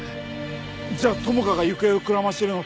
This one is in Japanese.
じゃあ朋香が行方をくらませてるのって。